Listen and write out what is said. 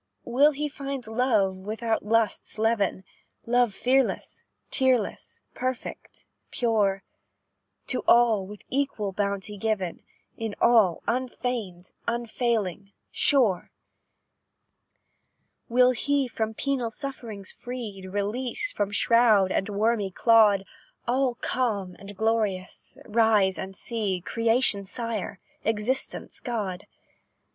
"Will he find love without lust's leaven, Love fearless, tearless, perfect, pure, To all with equal bounty given; In all, unfeigned, unfailing, sure? "Will he, from penal sufferings free, Released from shroud and wormy clod, All calm and glorious, rise and see Creation's Sire Existence' God?